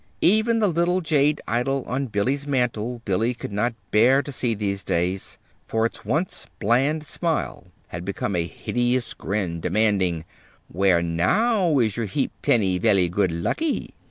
Even the little jade idol on Billy's mantel Billy could not bear to see these days, for its once bland smile had become a hideous grin, demanding, "Where, now, is your heap plenty velly good luckee?"